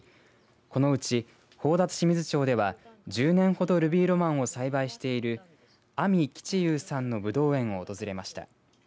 このうち、宝達志水町では１０年ほどルビーロマンを栽培している網吉裕さんのぶどう園を訪れました。